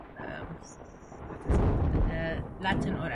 Each worker typically performs one simple operation.